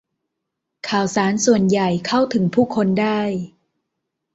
ข่าวสารส่วนใหญ่เข้าถึงผู้คนได้